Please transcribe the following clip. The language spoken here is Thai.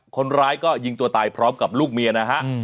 คนร้ายก็ยิงตัวตายพร้อมกับลูกเมียนะฮะ